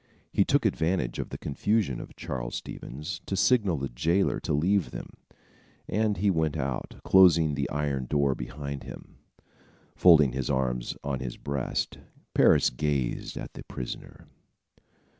He took advantage of the confusion of Charles Stevens to signal the jailer to leave them, and he went out, closing the iron door behind him. Folding his arms on his breast, Parris gazed on the prisoner.